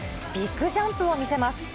ビッグジャンプを見せます。